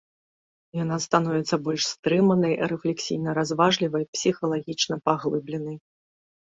Яна становіцца больш стрыманай, рэфлексійна-разважлівай, псіхалагічна-паглыбленай.